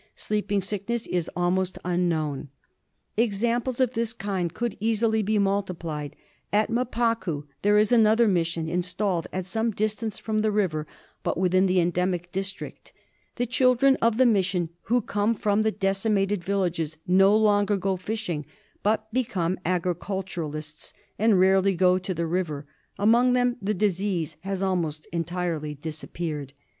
Sleeping Sickness is almost unknown. Examples of this kind could easily be multiplied. At MTakou there is another mission installed at some distance from the river, but within the endemic district ; the children of the mission who come from the decimated villages no longer go fishing, but become agriculturists, and rarely go to the river ; among them the disease has almost entirely disappeared.''